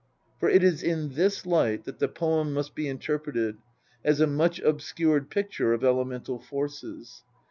For it is in this light that the poem must be interpreted as a much obscured picture of elemental forces.